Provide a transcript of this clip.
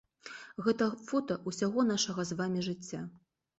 Гэта фота ўсяго нашага з вамі жыцця.